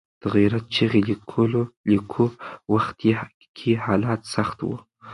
د غیرت چغې لیکلو وخت کې حالات سخت وو.